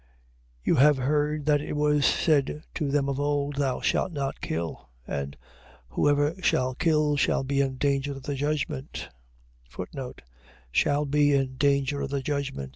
You have heard that it was said to them of old: Thou shalt not kill. And whosoever shall kill, shall be in danger of the judgment. Shall be in danger of the judgment.